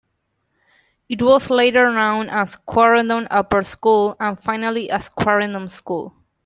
It was later known as Quarrendon Upper School and finally as Quarrendon School.